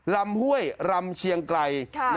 ห้วยลำเชียงไกร